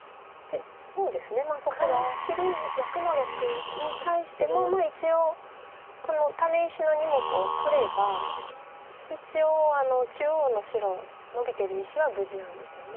でそこの切りに対してもまあ一応タネ石の２目を取れば一応中央の白ノビてる石は無事なんですよね。